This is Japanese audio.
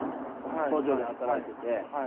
工場で働いてて。